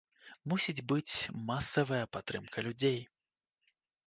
Мусіць быць масавая падтрымка людзей.